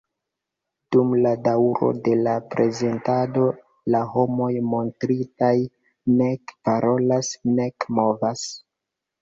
Dum la daŭro de la prezentado, la homoj montritaj nek parolas, nek movas.